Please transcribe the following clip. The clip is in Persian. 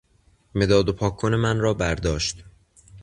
مداد و پاککن من را برداشت